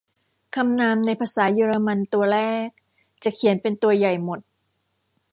คำนามในภาษาเยอรมันตัวแรกจะเขียนเป็นตัวใหญ่หมด